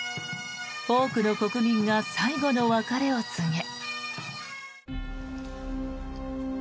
多くの国民が最後の別れを告げ。